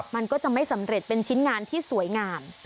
มันก็จะไม่สำเร็จเป็นชิ้นงานที่สวยงาม